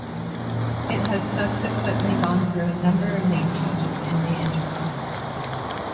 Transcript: It has subsequently gone through a number of name changes in the interim.